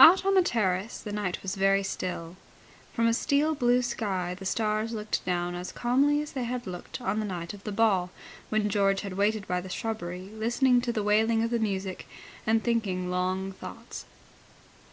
Out on the terrace the night was very still. From a steel blue sky the stars looked down as calmly as they had looked on the night of the ball, when George had waited by the shrubbery listening to the wailing of the music and thinking long thoughts.